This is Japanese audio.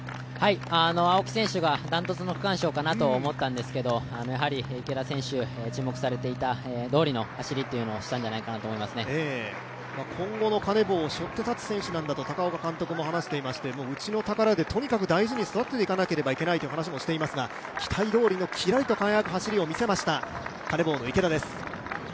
青木選手が断トツの区間賞かなと思ったんですけど、池田選手、注目されていたとおりの走りをしたんじゃないかと思いますね、今後のカネボウをしょって立つ選手なんだと高岡監督も話していましたがうちの宝でとにかく大事に育てていかなければいけないという話をしていますが、期待どおりのキラリと輝く走りを見せました、カネボウの池田です。